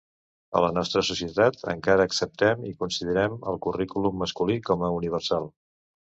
A la nostra societat, encara acceptem i considerem el currículum masculí com a universal.